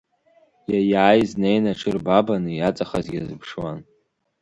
Иаиааиз неин аҽырбабаны, иаҵахаз иазыԥшуан.